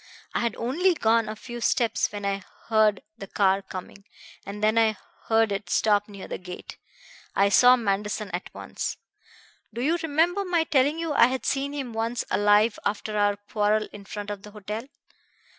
I had only gone a few steps when I heard the car coming, and then I heard it stop near the gate. I saw Manderson at once. Do you remember my telling you I had seen him once alive after our quarrel in front of the hotel?